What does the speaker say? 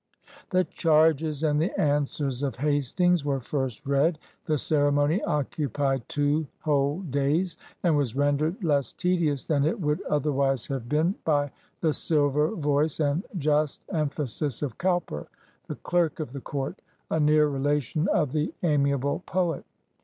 The charges and the answers of Hastings were first read. The ceremony occupied two whole days, and was rendered less tedious than it would otherwise have been i66 THE IMPEACHMENT OF WARREN HASTINGS by the silver voice and just emphasis of Cowpcr, the clerk of the court, a near relation of the amiable poet.